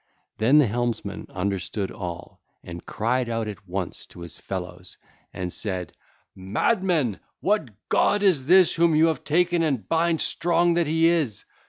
Then the helmsman understood all and cried out at once to his fellows and said: (ll. 17 24) 'Madmen! What god is this whom you have taken and bind, strong that he is?